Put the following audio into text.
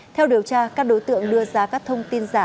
theo điều tra các đối tượng đưa ra các thông tin giả